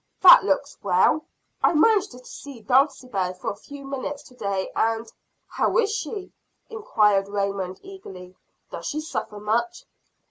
"That looks well. I managed to see Dulcibel for a few minutes to day, and" "How is she?" inquired Raymond eagerly. "Does she suffer much?"